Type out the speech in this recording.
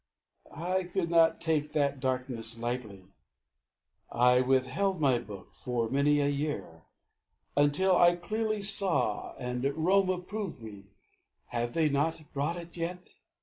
I could not take That darkness lightly. I withheld my book For many a year, until I clearly saw, And Rome approved me have they not brought it yet?